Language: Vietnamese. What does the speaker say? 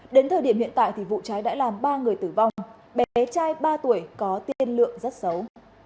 đến thời điểm hiện tại thì vụ cháy đã làm ba người tử vong bé trai ba tuổi có tiên lượng rất xấu